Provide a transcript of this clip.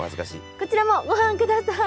こちらもご覧ください。